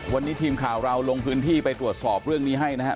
วันนี้ทีมข่าวเราลงพื้นที่ไปตรวจสอบเรื่องนี้ให้นะฮะ